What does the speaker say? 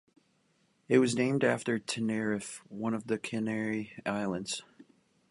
It was named after Tenerife, one of the Canary Islands.